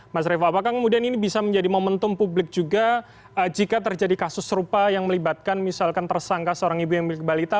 mas revo apakah kemudian ini bisa menjadi momentum publik juga jika terjadi kasus serupa yang melibatkan misalkan tersangka seorang ibu yang memiliki balita